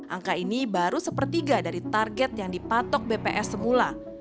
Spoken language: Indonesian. angka ini baru sepertiga dari target yang dipatok bps semula